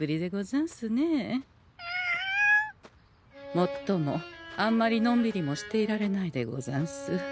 もっともあんまりのんびりもしていられないでござんす。